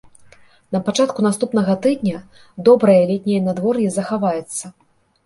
На пачатку наступнага тыдня добрае летняе надвор'е захаваецца.